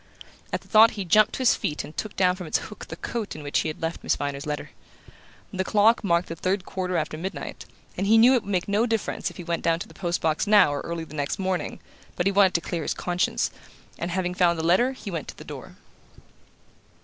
At the thought he jumped to his feet and took down from its hook the coat in which he had left Miss Viner's letter. The clock marked the third quarter after midnight, and he knew it would make no difference if he went down to the post box now or early the next morning; but he wanted to clear his conscience, and having found the letter he went to the door.